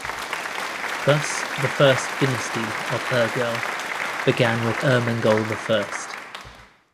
Thus the first dynasty of Urgell began with Ermengol the First.